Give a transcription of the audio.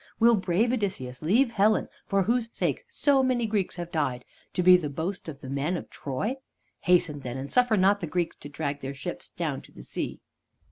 "Will brave Odysseus leave Helen, for whose sake so many Greeks have died, to be the boast of the men of Troy? Hasten, then, and suffer not the Greeks to drag their ships down to the sea."